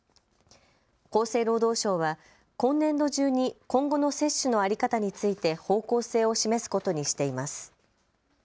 厚生労働省は今年度中に今後の接種の在り方について方向性を示すことにしています。